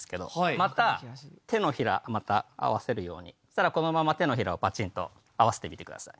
また手のひらまた合わせるように。そしたらこのまま手のひらをパチンと合わせてみてください。